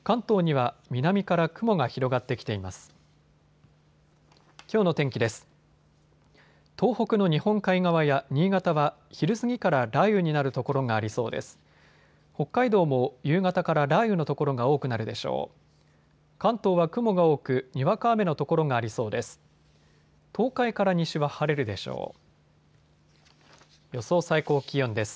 関東は雲が多く、にわか雨の所がありそうです。